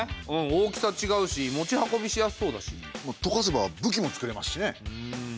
大きさちがうし持ち運びしやすそうだし。とかせば武器も作れますしね。